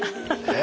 え！